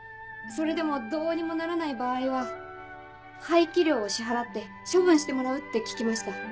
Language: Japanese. それでもどうにもならない場合は廃棄料を支払って処分してもらうって聞きました。